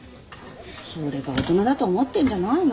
それが大人だと思ってんじゃないの？